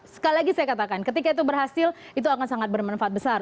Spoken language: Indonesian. sekali lagi saya katakan ketika itu berhasil itu akan sangat bermanfaat besar